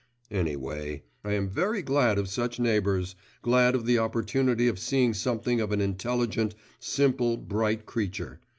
Any way, I am very glad of such neighbours, glad of the opportunity of seeing something of an intelligent, simple, bright creature.